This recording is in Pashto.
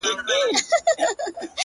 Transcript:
• پرون یې بیا له هغه ښاره جنازې وایستې,